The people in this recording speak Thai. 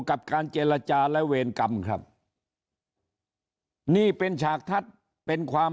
กับการเจรจาและเวรกรรมครับนี่เป็นฉากทัศน์เป็นความ